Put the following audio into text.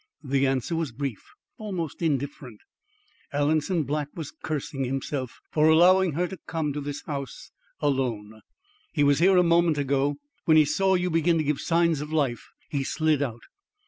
The answer was brief, almost indifferent. Alanson Black was cursing himself for allowing her to come to this house alone. "He was here a moment ago. When he saw you begin to give signs of life, he slid out.